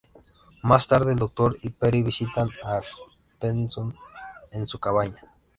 Más tarde, el Doctor y Peri visitan a Stephenson en su cabaña.